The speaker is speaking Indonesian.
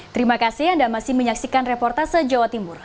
terima kasih anda masih menyaksikan reportase jawa timur